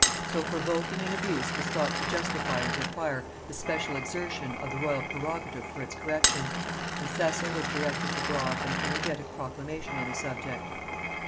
So provoking an abuse was thought to justify and require the special exertion of the royal prerogative for its correction, and Cecil was directed to draw up an energetic proclamation on the subject.